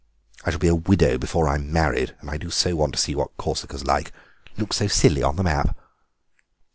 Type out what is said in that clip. I shall be a widow before I'm married, and I do so want to see what Corsica's like; it looks so silly on the map."